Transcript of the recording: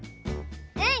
うん！